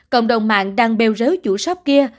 cộng đồng mạng đang bêu rớu chủ shop kia